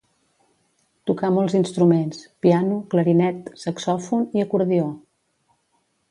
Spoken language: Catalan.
Tocà molts instruments: piano, clarinet, saxòfon i acordió.